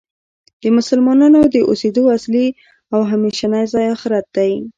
د مسلمانانو د اوسیدو اصلی او همیشنی ځای آخرت دی .